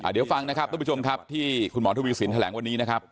เดี๋ยวฟังนะครับทุกผู้ชมครับที่คุณหมอทวีสินแถลงวันนี้นะครับ